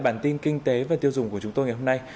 bản tin kinh tế và tiêu dùng của chúng tôi ngày hôm nay